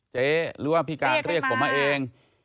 เจ๊หรือว่าพี่การด้วยเรียกไว้มาเอง